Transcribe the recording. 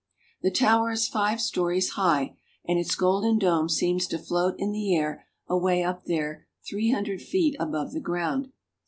The tower is five stories high, and its golden dome seems to float in the air away up there three hundred feet above the ground.